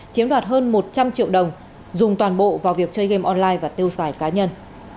chiếm đoạt hơn một trăm linh triệu đồng dùng toàn bộ vào việc chơi game online và tiêu xài cá nhân